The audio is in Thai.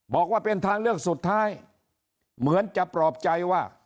บอกว่าเป็นทางเลือกสุดท้ายเหมือนจะปลอบใจว่า